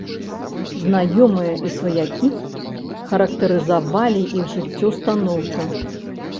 Знаёмыя і сваякі характарызавалі іх жыццё станоўча.